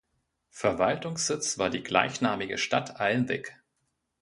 Verwaltungssitz war die gleichnamige Stadt Alnwick.